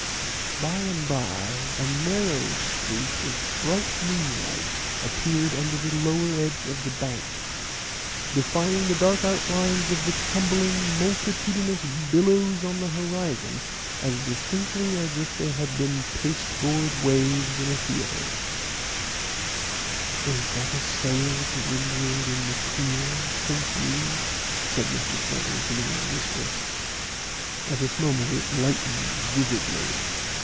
By and by a narrow streak of bright moonlight appeared under the lower edge of the bank, defining the dark outlines of the tumbling multitudinous billows on the horizon as distinctly as if they had been pasteboard waves in a theater. "Is that a sail to windward in the clear, think you?" said Mr. Splinter to me in a whisper. At this moment it lightened vividly.